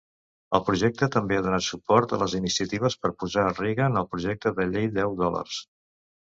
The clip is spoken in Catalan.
El projecte també ha donat suport a les iniciatives per posar Reagan al projecte de llei deu dòlars.